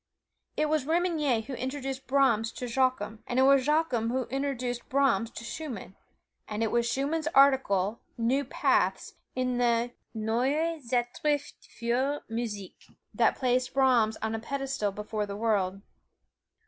It was Remenyi who introduced Brahms to Joachim, and it was Joachim who introduced Brahms to Schumann, and it was Schumann's article, "New Paths," in the "Neue Zeitschrift fur Musik," that placed Brahms on a pedestal before the world.